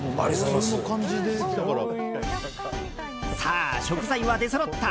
さあ、食材は出そろった。